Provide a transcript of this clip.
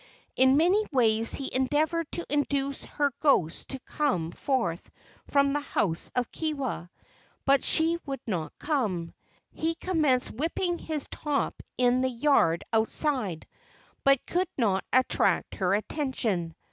In many ways he endeavored to induce her ghost to come forth from the house of Kewa, but she would not come. He commenced whipping his top in the yard outside, but could not attract her attention.